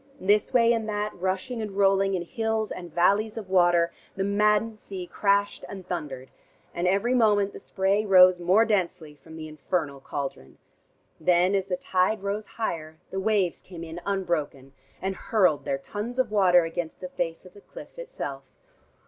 This way and that, rushing and rolling, in hills and valleys of water, the maddened sea crashed and thundered, and every moment the spray rose more densely from the infernal cauldron. Then as the tide rose higher, the waves came in unbroken, and hurled their tons of water against the face of the cliff itself.